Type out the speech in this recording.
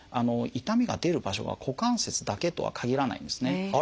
痛みが出る場所が股関節だけとは限らないんですね。